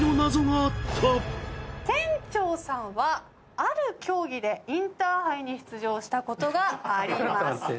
店長さんはある競技でインターハイに出場したことがあります。